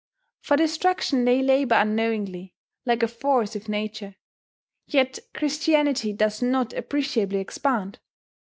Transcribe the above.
For destruction they labour unknowingly, like a force of nature. Yet Christianity does not appreciably expand.